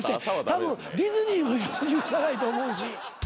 たぶんディズニーも許さないと思うし。